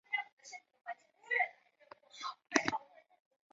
高柏乡是中国陕西省延安市宜川县下辖的一个乡。